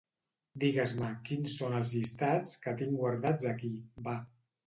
Digues-me quins son els llistats que tinc guardats aquí, va.